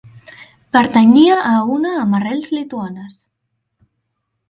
Pertanyia a una amb arrels lituanes.